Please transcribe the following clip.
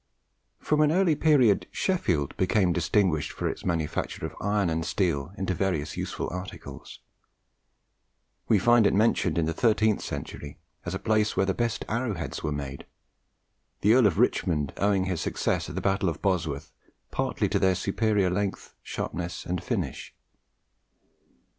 From an early period Sheffield became distinguished for its manufacture of iron and steel into various useful articles. We find it mentioned in the thirteenth century as a place where the best arrowheads were made, the Earl of Richmond owing his success at the battle of Bosworth partly to their superior length, sharpness, and finish.